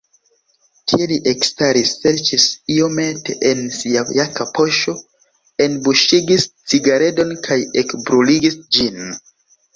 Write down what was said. Tie li ekstaris, serĉis iomete en sia jaka poŝo, enbuŝigis cigaredon kaj ekbruligis ĝin.